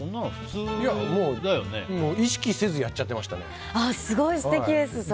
意識せずやっちゃってましたね。